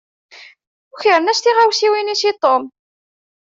Ukren-as tiɣawsiwin-is i Tom.